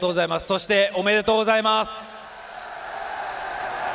そして、おめでとうございます！